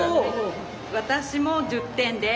私も１０点です。